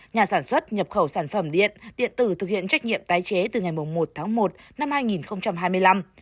nhà sản xuất nhập khẩu sản phẩm điện điện tử thực hiện trách nhiệm tái chế từ ngày một tháng một năm hai nghìn hai mươi năm